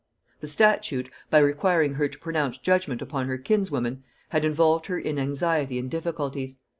The statute, by requiring her to pronounce judgement upon her kinswoman, had involved her in anxiety and difficulties.